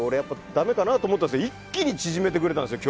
だめかなと思ったんですけど一気に縮めてくれたんですよ